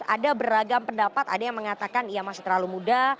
ada beragam pendapat ada yang mengatakan ia masih terlalu muda